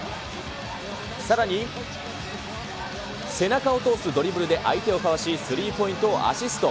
さらに、背中を通すドリブルで相手をかわし、スリーポイントをアシスト。